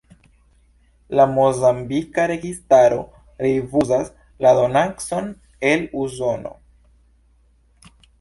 La mozambika registaro rifuzas la donacon el Usono.